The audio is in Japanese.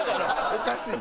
おかしい。